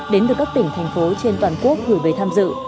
đến từ các tỉnh thành phố trên toàn quốc gửi về tham dự